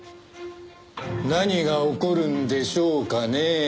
何が起こるんでしょうかね？